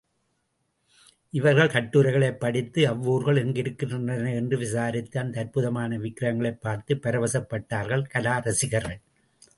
இவர் கட்டுரைகளைப் படித்து, அவ்வூர்கள் எங்கிருக்கின்றன என்று விசாரித்து, அந்த அற்புதமான விக்ரகங்களைப் பார்த்து பரவசப்பட்டார்கள் கலா ரசிகர்கள்.